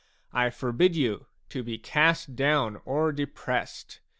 I forbid you to be cast down or depressed.